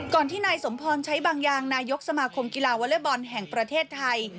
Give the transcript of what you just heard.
ที่นายสมพรใช้บางอย่างนายกสมาคมกีฬาวอเล็กบอลแห่งประเทศไทย